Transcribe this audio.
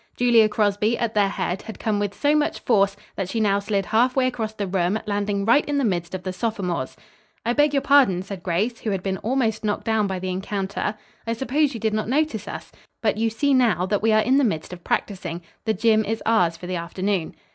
Julia Crosby, at their head, had come with so much force, that she now slid halfway across the room, landing right in the midst of the sophomores. "I beg your pardon," said Grace, who had been almost knocked down by the encounter, "I suppose you did not notice us. But you see, now, that we are in the midst of practising. The gym. is ours for the afternoon."